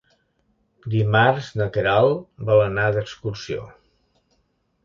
Dimarts na Queralt vol anar d'excursió.